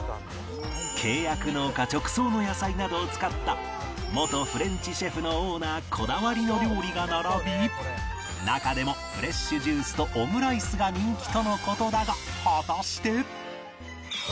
契約農家直送の野菜などを使った元フレンチシェフのオーナーこだわりの料理が並び中でもフレッシュジュースとオムライスが人気との事だが果たして